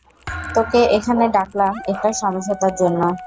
তোকে এখানে ডাকলাম একটা সমঝোতার জন্য।